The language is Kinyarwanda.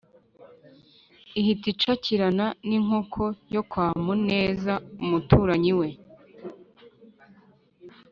ihita icakirana n’inkoko yo kwa muneza umuturanyi we.